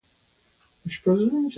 ستاسې کمپیوټر ښایي ډير ژر بې کاره شي